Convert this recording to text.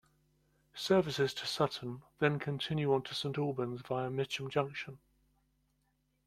Services to Sutton then continue on to Saint Albans via Mitcham Junction.